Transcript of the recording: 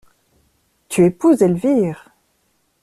Tu épouses Elvire!